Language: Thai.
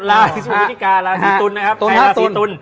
ราศีตุนนะครับราศีตุน